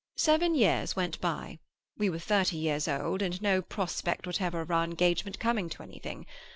Seven years went by; we were thirty years old, and no prospect whatever of our engagement coming to anything.